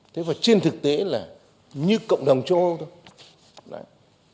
thế và trên thực tế là như cộng đồng châu âu thôi